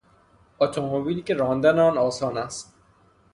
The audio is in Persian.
اتومبیلی که راندن آن آسان است